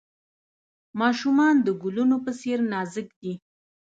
ماشومان د ګلونو په څیر نازک دي.